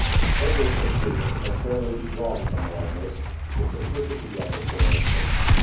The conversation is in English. Several conclusions may fairly be drawn from all this. The simplicity of it, for instance.